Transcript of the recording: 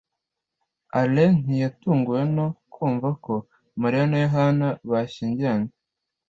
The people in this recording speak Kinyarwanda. alain ntiyatunguwe no kumva ko mariya na yohana bashyingiranywe